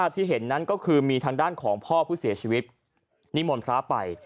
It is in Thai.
ที่เห็นนั้นก็คือมีทางด้านของพ่อผู้เสียชีวิตนิมนต์พระไป